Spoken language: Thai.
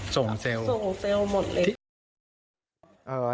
ส่งเซลล์หมดเลย